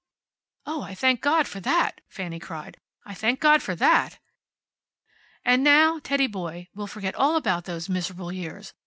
"Oh, I thank God for that!" Fanny cried. "I thank God for that! And now, Teddy boy, we'll forget all about those miserable years.